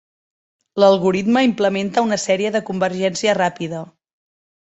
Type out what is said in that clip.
L'algorisme implementa una sèrie de convergència ràpida.